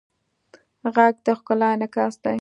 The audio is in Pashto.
غږ د ښکلا انعکاس دی